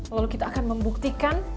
lalu kita akan membuktikan